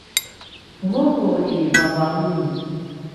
vuvu i Vavauni